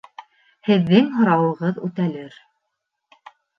Һеҙҙең һорауығыҙ үтәлер